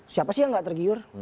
siapa sih yang nggak tergiur